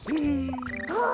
ああ！